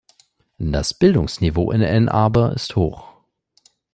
Das Bildungsniveau in Ann Arbor ist hoch.